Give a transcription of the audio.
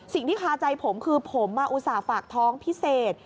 สิ่งที่ค้าใจผมคือผมมาอุตส่าห์ฝากท้องพิเศษ